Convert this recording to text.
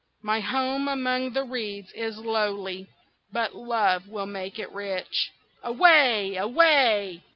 My home among the reeds is lowly, but love will make it rich. Away! away!"